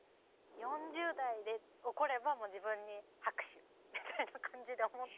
４０代で起これば自分に拍手みたいな感じで思ってたので。